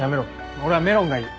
俺はメロンがいい。